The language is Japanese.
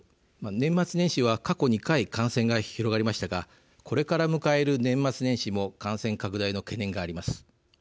年末年始は過去２回感染が広がりましたがこれから迎える年末年始も感染拡大の懸念があります。